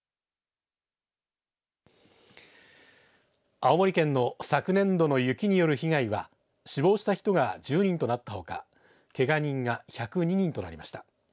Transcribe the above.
青森県の昨年度の雪による被害は死亡した人が１０人となったほかけが人が１０２人となりました。